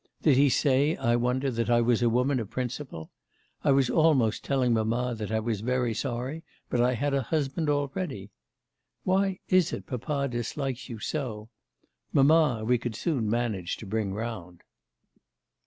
Did he say, I wonder, that I was a woman of principle? I was almost telling mamma that I was very sorry, but I had a husband already. Why is it papa dislikes you so? Mamma, we could soon manage to bring round.